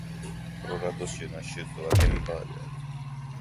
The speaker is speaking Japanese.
コロラド州の州都はデンバーである